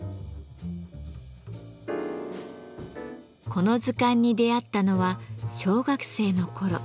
この図鑑に出会ったのは小学生の頃。